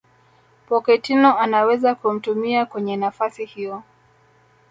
Pochettino anaweza kumtumia kwenye nafasi hiyo